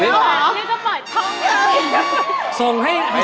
นี่จะปล่อยช่องเลย